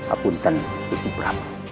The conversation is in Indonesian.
apunten gusti prabu